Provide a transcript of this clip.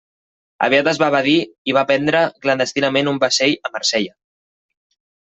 Aviat es va evadir i va prendre, clandestinament, un vaixell a Marsella.